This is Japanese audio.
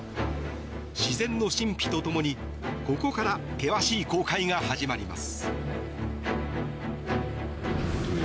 自然の神秘とともに、ここから険しい航海が始まります。